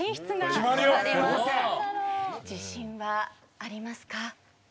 自信はありますか？